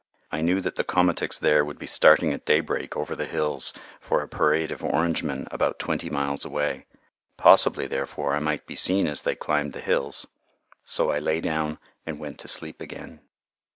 I knew that the komatiks there would be starting at daybreak over the hills for a parade of Orangemen about twenty miles away. Possibly, therefore, I might be seen as they climbed the hills. So I lay down, and went to sleep again.